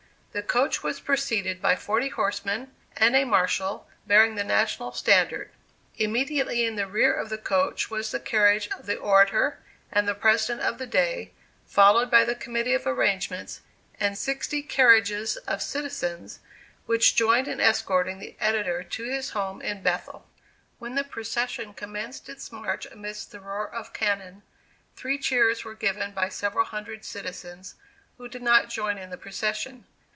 The coach was preceded by forty horsemen, and a marshal, bearing the national standard. Immediately in the rear of the coach was the carriage of the Orator and the President of the day, followed by the Committee of Arrangements and sixty carriages of citizens, which joined in escorting the editor to his home in Bethel. "When the procession commenced its march amidst the roar of cannon, three cheers were given by several hundred citizens who did not join in the procession.